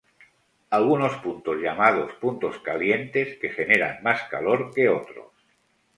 Hay algunos puntos llamados puntos calientes que generan más calor que otros.